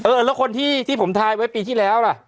แล้วคนที่ผมทายไว้ปีที่แล้วล่ะ